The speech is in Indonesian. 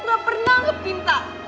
aku gak pernah ngap ginta